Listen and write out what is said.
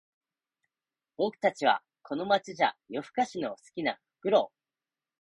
僕たちはこの街じゃ夜ふかしの好きなフクロウ